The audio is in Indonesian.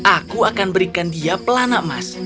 aku akan berikan dia pelanak emas